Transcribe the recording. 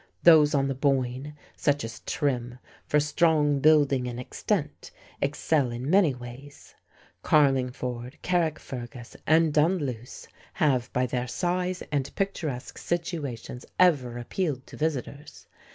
Those on the Boyne, such as Trim, for strong building and extent, excel in many ways. Carlingford, Carrickfergus, and Dunluce have by their size and picturesque situations ever appealed to visitors.